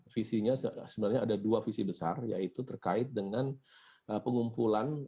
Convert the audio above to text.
visinya sebenarnya ada dua visi besar yaitu terkait dengan pengumpulan